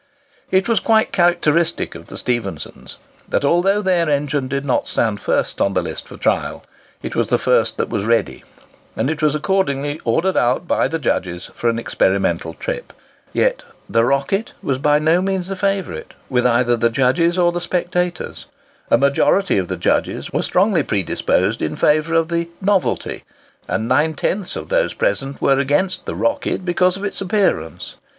It was quite characteristic of the Stephensons, that, although their engine did not stand first on the list for trial, it was the first that was ready; and it was accordingly ordered out by the judges for an experimental trip. Yet the "Rocket" was by no means "the favourite" with either the judges or the spectators. A majority of the judges was strongly predisposed in favour of the "Novelty," and nine tenths of those present were against the "Rocket" because of its appearance.